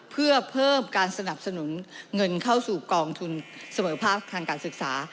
เพื่อเพิ่มการสนับสนุนเงินเข้าสู่กองทุนเสมอภาพทางการศึกษา